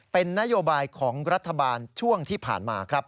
เป็นนโยบายของรัฐบาลช่วงที่ผ่านมาครับ